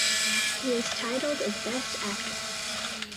He is titled as best actor.